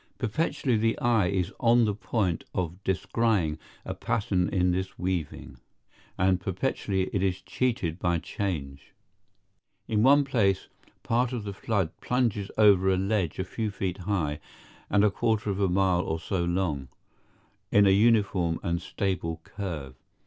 Perpetually the eye is on the point of descrying a pattern in this weaving, and perpetually it is cheated by change. In one place part of the flood plunges over a ledge a few feet high and a quarter of a mile or so long, in a uniform and stable curve.